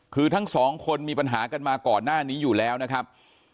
คือทั้งสองคนมีปัญหากันมาก่อนหน้านี้อยู่แล้วนะครับ